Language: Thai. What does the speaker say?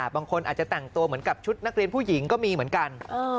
บางคนอาจจะแต่งตัวเหมือนกับชุดนักเรียนผู้หญิงก็มีเหมือนกัน